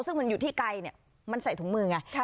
ซึ่งมันอยู่ที่ไกลมันใส่ถุงมือไง